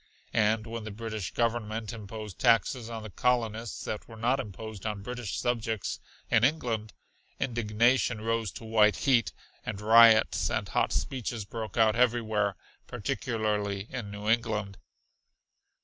And when the British Government imposed taxes on the colonists that were not imposed on British subjects in England, indignation rose to white heat, and riots and hot speeches broke out everywhere, particularly in New England.